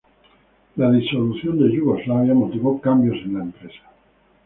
La disolución de Yugoslavia motivó cambios en la empresa.